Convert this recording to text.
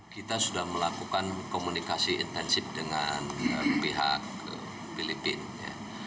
kita sudah melakukan komunikasi intensif dengan pihak filipina ya